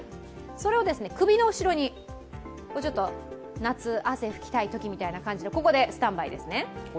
それを首の後ろにもうちょっと夏、汗拭きたいときみたいな感じで、ここでスタンバイですね。